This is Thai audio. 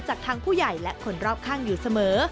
จากทางผู้ใหญ่และคนรอบข้างอยู่เสมอ